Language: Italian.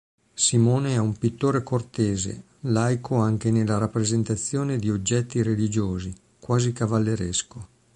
Simone è un pittore cortese, laico anche nella rappresentazione di soggetti religiosi, quasi cavalleresco.